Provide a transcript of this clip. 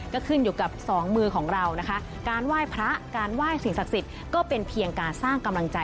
ก็ขึ้นอยู่กับสองมือของเรานะคะ